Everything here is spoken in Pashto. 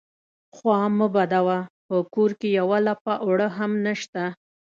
_خوا مه بدوه، په کور کې يوه لپه اوړه هم نشته.